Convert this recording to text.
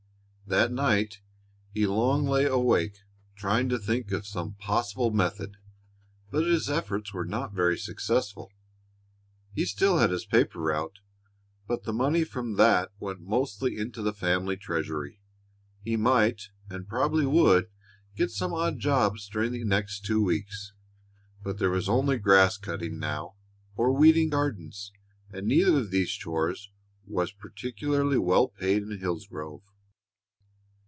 That night he lay long awake, trying to think of some possible method, but his efforts were not very successful. He still had his paper route, but the money from that went mostly into the family treasury. He might, and probably would, get some odd jobs during the next two weeks, but there was only grass cutting, now, or weeding gardens, and neither of these chores was particularly well paid in Hillsgrove.